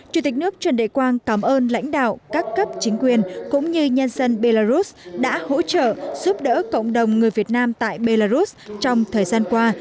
chủ tịch nước trần đại quang cảm ơn lãnh đạo các cấp chính quyền cũng như nhân dân belarus đã hỗ trợ giúp đỡ cộng đồng người việt nam tại belarus trong thời gian qua